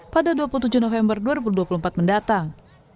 pada dua puluh tujuh november dua ribu dua puluh empat mendatang